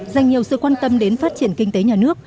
dành nhiều sự quan tâm đến phát triển kinh tế nhà nước